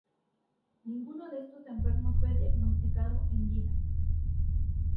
Ninguno de estos enfermos fue diagnosticado en vida.